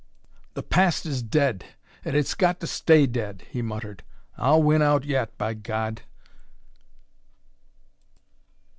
"The past is dead, and it's got to stay dead," he muttered. "I'll win out yet, by God!"